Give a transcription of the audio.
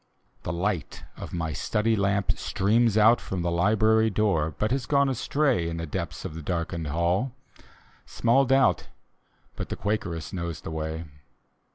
The light of my study lamp streams out From the library door, but has gone astray In the depths of the darkened hall; small doubt But the Quakeress knows the way.